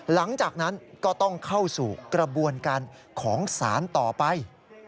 หลังจากนั้นก็ต้องเข้าสู่กระบวนการของศาลต่อไป